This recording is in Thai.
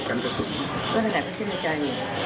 ก็ไหนดูก็อยู่ใจ